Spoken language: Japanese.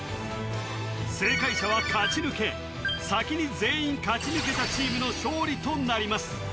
正解者は勝ち抜け先に全員勝ち抜けたチームの勝利となります